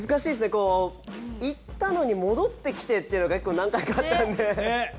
こう行ったのに戻ってきてっていうのが何回かあったんで。ね。